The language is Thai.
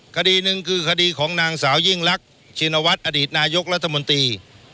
คดีหนึ่งคือคดีของนางสาวยิ่งรักชินวัฒน์อดีตนายกรัฐมนตรี